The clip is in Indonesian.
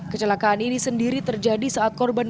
kecelakaan ini sendiri terjadi saat korban